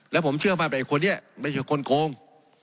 และผมเชื่อมาแต่คนเนี้ยไม่ใช่คนโค้ง